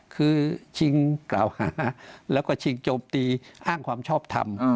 คือชิงกล่าวหาแล้วก็ชิงโจมตีอ้างความชอบทำ